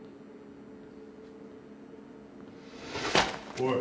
おい。